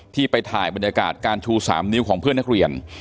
ที่ไปถ่ายบรรยากาศการชู๓นิ้วของเพื่อนนักเรียน